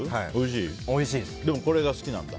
でも、これが好きなんだ。